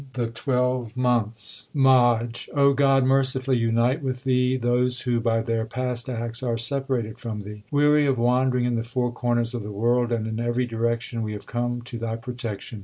THE TWELVE MONTHS OF GURU ARJAN MAJH God, mercifully unite with Thee those who by their past acts are separated from Thee ! Weary of wandering in the four corners of the world and in every direction, we have come to Thy protection.